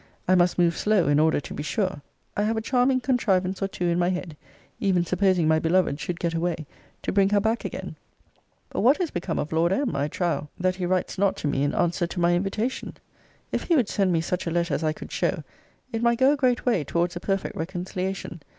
I must move slow, in order to be sure. I have a charming contrivance or two in my head, even supposing my beloved should get away, to bring her back again. But what is become of Lord M. I trow, that he writes not to me, in answer to my invitation? If he would send me such a letter as I could show, it might go a great way towards a perfect reconciliation.